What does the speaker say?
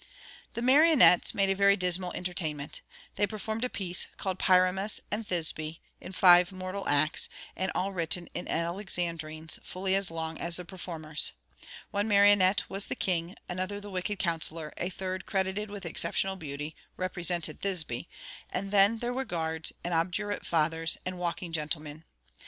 The marionnettes made a very dismal entertainment. They performed a piece, called Pyramus and Thisbe, in five mortal acts, and all written in Alexandrines fully as long as the performers. One marionnette was the king; another the wicked counsellor; a third, credited with exceptional beauty, represented Thisbe; and then there were guards, and obdurate fathers, and walking gentlemen.